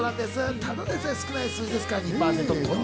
ただでさえ少ない数字ですから。